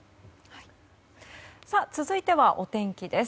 続いては、お天気です。